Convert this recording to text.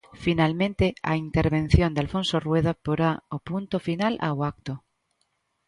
Finalmente, a intervención de Alfonso Rueda porá o punto final ao acto.